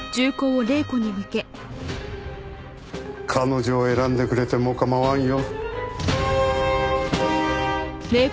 彼女を選んでくれても構わんよ。